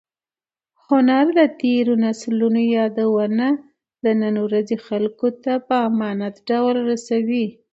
هنر د تېرو نسلونو یادونه د نن ورځې خلکو ته په امانت ډول رسوي.